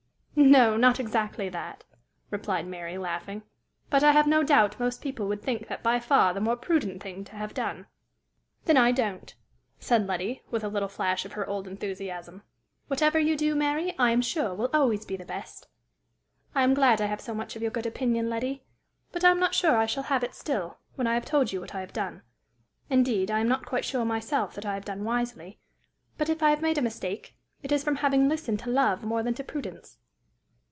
"No, not exactly that," replied Mary, laughing; "but I have no doubt most people would think that by far the more prudent thing to have done." "Then I don't," said Letty, with a little flash of her old enthusiasm. "Whatever you do, Mary, I am sure will always be the best." "I am glad I have so much of your good opinion, Letty; but I am not sure I shall have it still, when I have told you what I have done. Indeed, I am not quite sure myself that I have done wisely; but, if I have made a mistake, it is from having listened to love more than to prudence."